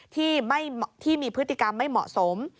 ที่มีพฤติกรรมไม่เหมาะสม